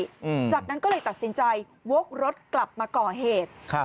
อืมจากนั้นก็เลยตัดสินใจวกรถกลับมาก่อเหตุครับ